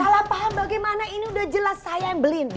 salah paham bagaimana ini udah jelas saya yang beliin